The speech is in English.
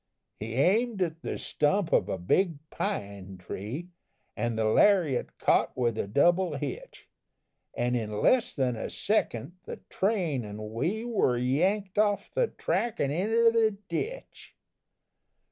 "He aimed at the stump of a big pine tree, An' the lariat caught with a double hitch, An' in less than a second the train an' we Were yanked off the track an' inter the ditch!